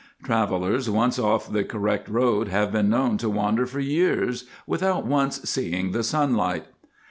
Travellers once off the correct road have been known to wander for years without once seeing the sunlight.